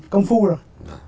công phu rồi